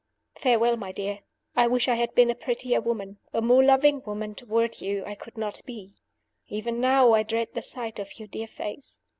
"Farewell, my dear. I wish I had been a prettier woman. A more loving woman (toward you) I could not be. Even now I dread the sight of your dear face.